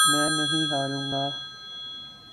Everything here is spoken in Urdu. میں نہیں ہاروں گا